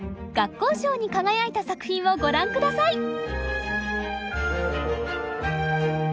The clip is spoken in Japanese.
学校賞に輝いた作品をご覧下さい！